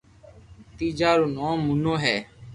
تيجا رو نوم مونو ھي